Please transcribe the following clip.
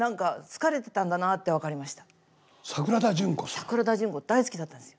桜田淳子大好きだったんです。